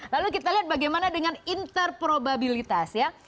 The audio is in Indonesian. lalu kita lihat bagaimana dengan interprobabilitas ya